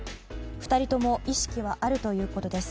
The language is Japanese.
２人とも意識はあるということです。